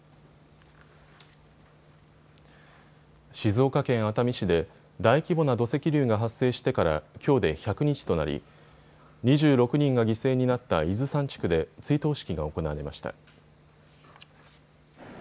静岡県熱海市で大規模な土石流が発生してから、きょうで１００日となり２６人が犠牲になった伊豆山地区で追悼式が行われました。